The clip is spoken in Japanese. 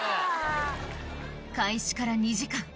開始から２時間